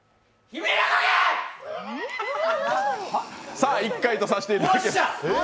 さあ、１回とさせていただきます。